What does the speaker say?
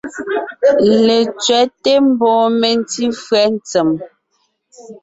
Letsẅɛ́te mbɔɔ mentí fÿɛ́ ntsèm.